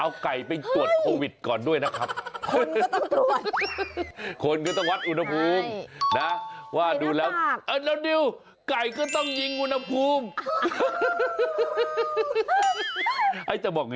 เอาไก่ไปตรวจโควิดก่อนด้วยนะครับ